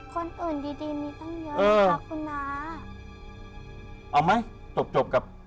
คนอื่นดีมีตั้งเยอะนะครับคุณน้า